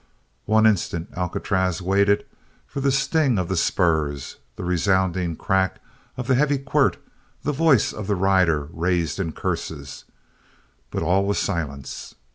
One instant Alcatraz waited for the sting of the spurs, the resounding crack of the heavy quirt, the voice of the rider raised in curses; but all was silence.